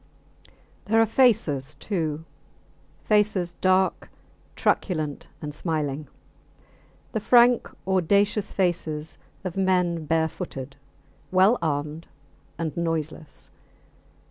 There are faces too faces dark, truculent, and smiling; the frank audacious faces of men barefooted, well armed and noiseless.